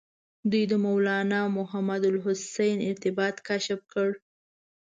دوی د مولنا محمود الحسن ارتباط کشف کړ.